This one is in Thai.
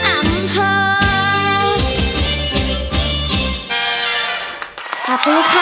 ขอบคุณค่ะ